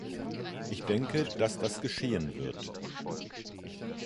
Ich denke, dass das geschehen wird.